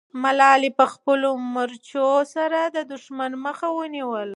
ملالۍ په خپلو مرچو سره د دښمن مخه ونیوله.